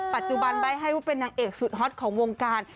ปัจจุบันใบ้ให้ลูกเป็นนางเอกสุดฮอตของวงการ